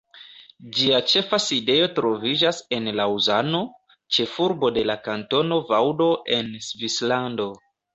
Ĝia ĉefa sidejo troviĝas en Laŭzano, ĉefurbo de la Kantono Vaŭdo en Svislando.